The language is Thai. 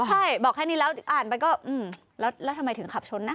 ใช่บอกแค่นี้แล้วอ่านไปก็แล้วทำไมถึงขับชนนะ